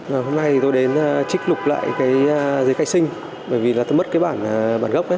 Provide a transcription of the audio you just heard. hôm nay thì tôi đến trích lục lại cái giấy cây sinh bởi vì là tôi mất cái bản gốc đấy